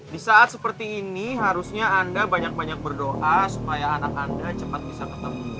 di saat seperti ini harusnya anda banyak banyak berdoa supaya anak anda cepat bisa ketemu